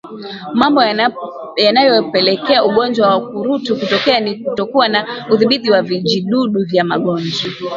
Mambo yanayopelekea ugonjwa wa ukurutu kutokea ni kutokuwa na udhibiti wa vijidudu vya magonjwa